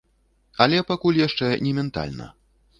Але пакуль яшчэ не ментальна.